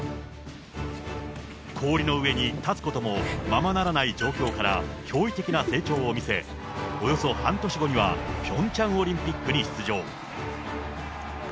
氷の上に立つこともままならない状況から驚異的な成長を見せ、およそ半年後にはピョンチャンオリンピックに出場。